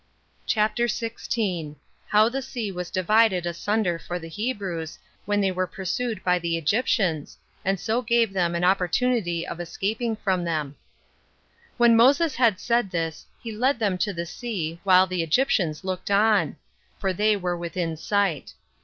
CHAPTER 16. How The Sea Was Divided Asunder For The Hebrews, When They Were Pursued By The Egyptians, And So Gave Them An Opportunity Of Escaping From Them. 1. When Moses had said this, he led them to the sea, while the Egyptians looked on; for they were within sight.